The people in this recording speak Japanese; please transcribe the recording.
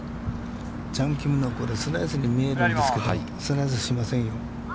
チャン・キムがこれ、スライスに見えるんですけど、スライスしませんよ。